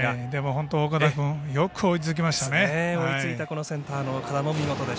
本当、岡田君よく追いつきましたね。